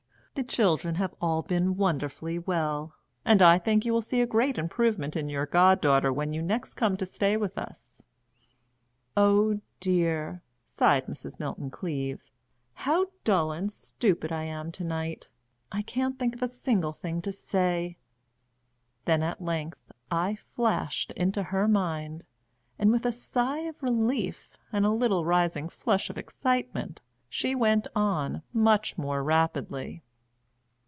The children have all been wonderfully well, and I think you will see a great improvement in your god daughter when you next come to stay with us" "Oh dear!" sighed Mrs. Milton Cleave, "how dull and stupid I am to night! I can't think of a single thing to say." Then at length I flashed into her mind, and with a sigh of relief and a little rising flush of excitement she went on much more rapidly.